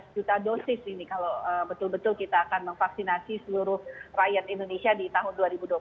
lima belas juta dosis ini kalau betul betul kita akan memvaksinasi seluruh rakyat indonesia di tahun dua ribu dua puluh satu